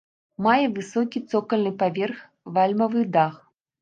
Мае высокі цокальны паверх, вальмавы дах.